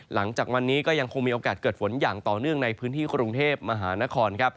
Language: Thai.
หลังจากวันนี้ก็ยังคงมีโอกาสเกิดฝนอย่างต่อเนื่องในพื้นที่กรุงเทพมหานคร